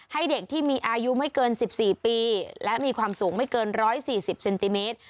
ให้เด็กที่มีอายุไม่เกินสิบสี่ปีและมีความสูงไม่เกินร้อยสี่สิบเซนติเมตร